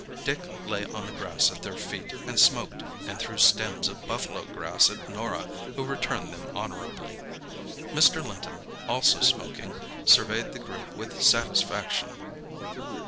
Dick lay on the grass at their feet and smoked, and threw stems of buffalo grass at Norah, who returned them honourably. Mr. Linton, also smoking, surveyed the group with satisfaction.